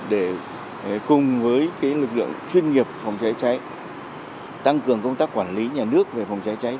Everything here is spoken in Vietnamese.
để cùng với lực lượng chuyên nghiệp phòng cháy cháy tăng cường công tác quản lý nhà nước về phòng cháy cháy